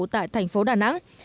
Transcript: tại tp đà nẵng